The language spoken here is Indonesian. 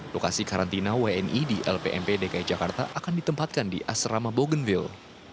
lokasi karantina wni di lpmp dki jakarta akan ditempatkan di asrama bolgonfield